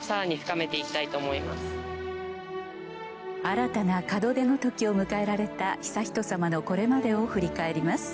新たな門出の時を迎えられた悠仁さまのこれまでを振り返ります。